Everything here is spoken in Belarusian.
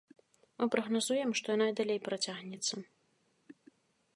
Мы прагназуем, што яна і далей працягнецца.